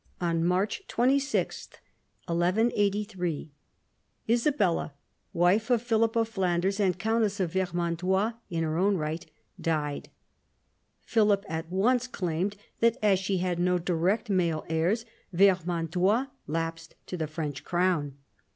On March 26, 1183, Isabella, wife of Philip of Flanders, and countess of Vermandois in her own right, died. Philip at once claimed that, as she had no direct male heirs, Vermandois lapsed to the French crown.